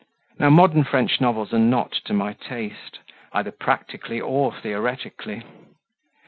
Now, modern French novels are not to my taste, either practically or theoretically.